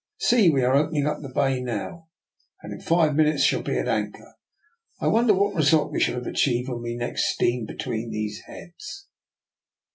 See, we are opening up the bay now, and in five minutes shall be at anchor. I wonder what result we shall have achieved when we next steam be tween these heads."